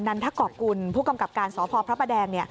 นันทะกรกุลผู้กำกับการสพพระแดง